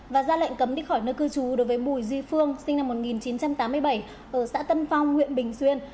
và ra lệnh cấm đi khỏi nơi cư trú đối với bùi duy phương sinh năm một nghìn chín trăm tám mươi bảy ở xã tân phong huyện bình xuyên